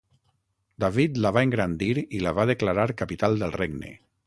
David la va engrandir i la va declarar capital del regne.